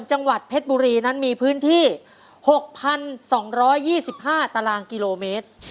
จังหวัดเพชรบุรีนั้นมีพื้นที่๖๒๒๕ตารางกิโลเมตร